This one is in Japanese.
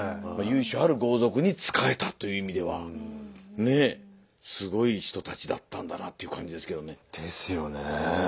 由緒ある豪族に仕えたという意味ではねえすごい人たちだったんだなという感じですけどね。ですよね。